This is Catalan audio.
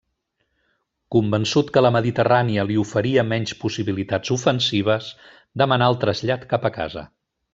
Convençut que la Mediterrània li oferia menys possibilitats ofensives demanà el trasllat cap a casa.